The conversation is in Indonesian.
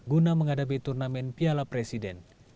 guna menghadapi turnamen piala presiden